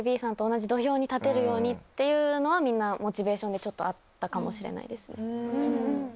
立てるようにっていうのはみんなモチベーションでちょっとあったかもしれないですね。